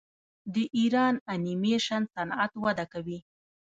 د ایران انیمیشن صنعت وده کوي.